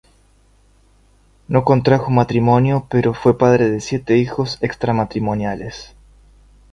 No contrajo matrimonio, pero fue padre de siete hijos extramatrimoniales.